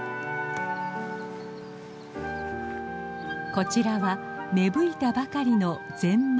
こちらは芽吹いたばかりのゼンマイ。